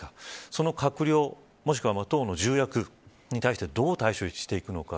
その閣僚もしくは党の重役に対してどう対処していくのか。